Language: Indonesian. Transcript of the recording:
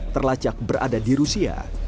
terlacak berada di rusia